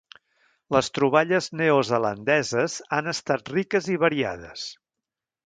Les troballes neozelandeses han estat riques i variades.